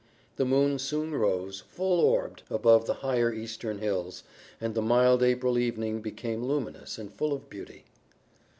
The moon soon rose, full orbed, above the higher eastern hills, and the mild April evening became luminous and full of beauty.